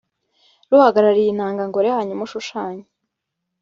ruhagarariye intangangore hanyuma ushushanye